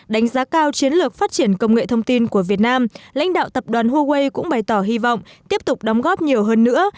đánh giá cao chiến lược phát triển công nghệ thông tin của việt nam lãnh đạo tập đoàn huawei cũng bày tỏ hy vọng tiếp tục đóng góp nhiều hơn nữa